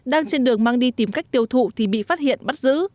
đang trên đường mang đi tìm cách tiêu thụ thì bị phát hiện bắt giữ